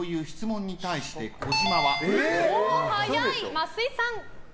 増井さん。